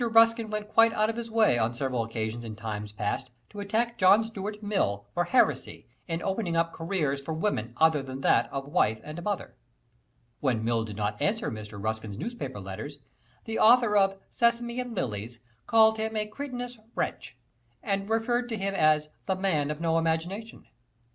Ruskin went quite out of his way on several occasions in times past to attack John Stuart Mill for heresy "in opening up careers for women other than that of wife and mother." When Mill did not answer Mr. Ruskin's newspaper letters, the author of "Sesame and Lilies" called him a "cretinous wretch" and referred to him as "the man of no imagination." Mr.